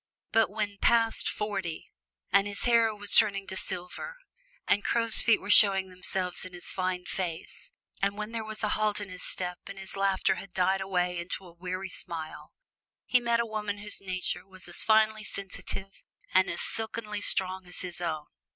But when past forty, and his hair was turning to silver, and crow's feet were showing themselves in his fine face, and when there was a halt in his step and his laughter had died away into a weary smile, he met a woman whose nature was as finely sensitive and as silkenly strong as his own.